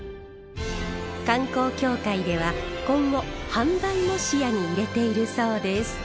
観光協会では今後販売も視野に入れているそうです。